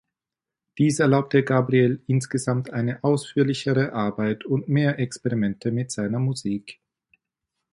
Dies erlaubte Gabriel insgesamt eine ausführlichere Arbeit und mehr Experimente mit seiner Musik.